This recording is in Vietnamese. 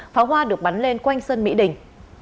pháo hoa được bắn lên quanh sân mỹ đình